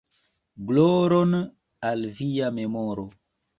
Gloron al via memoro!".